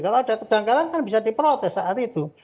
kalau ada kejanggalan kan bisa diprotes saat itu